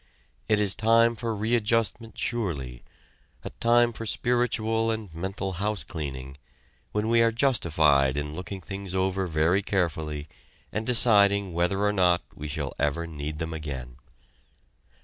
It is time for readjustment surely, a time for spiritual and mental house cleaning, when we are justified in looking things over very carefully and deciding whether or not we shall ever need them again.